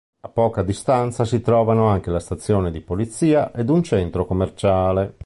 A poca distanza si trovano anche la stazione di polizia ed un centro commerciale.